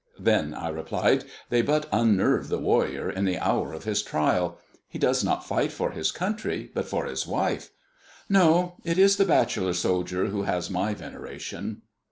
"Then," I replied, "they but unnerve the warrior in the hour of his trial. He does not fight for his country, but for his wife. No. It is the bachelor soldier who has my veneration."